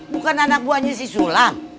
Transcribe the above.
bukan anak buahnya si sulam